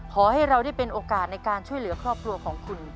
ขอให้เราได้เป็นโอกาสในการช่วยเหลือครอบครัวของคุณ